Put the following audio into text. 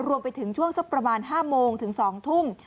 รวมไปถึงช่วงสักประมาณ๕โมงถึง๒ทุ่ม